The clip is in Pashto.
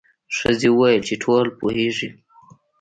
ښځې وویل چې ټول پوهیږي.